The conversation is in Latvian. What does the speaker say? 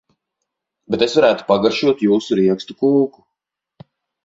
Bet es varētu pagaršotjūsu riekstu kūku.